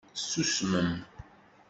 Tusmem.